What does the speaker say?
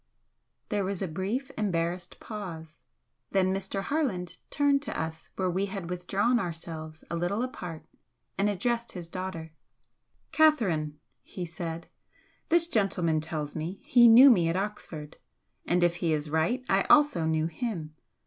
There was a brief embarrassed pause. Then Mr. Harland turned to us where we had withdrawn ourselves a little apart and addressed his daughter. "Catherine," he said "This gentleman tells me he knew me at Oxford, and if he is right I also knew HIM.